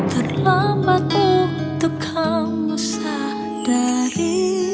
terlambat untuk kamu sadari